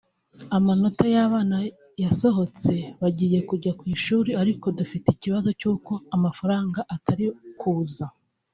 Amanota y’abana yasohotse bagiye kujya ku ishuri ariko dufite ikibazo cy’uko amafaranga atari kuza